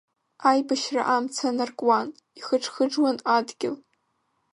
Аибашьра амца анаркуан, ихыџхыџуан адгьыл.